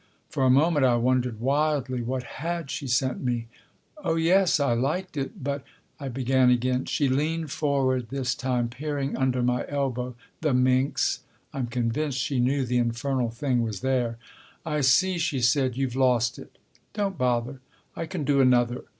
For a moment I wondered wildly what had she sent me ?" Oh, yes. I liked it. But " I began it again. She leaned forward this time, peering under my elbow (the minx ! I'm convinced she knew the infernal thing was there). " I see," she said. " You've lost it. Don't bother. I can do another.